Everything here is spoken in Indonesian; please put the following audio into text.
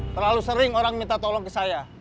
terlalu sering orang minta tolong ke saya